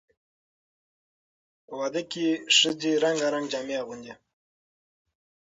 په واده کې ښځې رنګارنګ جامې اغوندي.